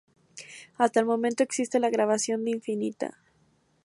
Hasta el momento existe la grabación de Infinita.